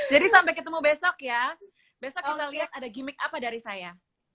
jadi sampai ketemu besok ya besok kita lihat ada gimmick apa dari saya